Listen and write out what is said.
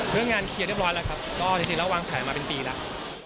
เรื่องงานเคลียร์เรียบร้อยแล้วครับก็จริงแล้ววางแผนมาเป็นปีแล้ว